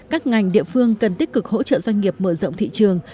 các ngành địa phương cần tích cực hỗ trợ doanh nghiệp mở rộng thị trường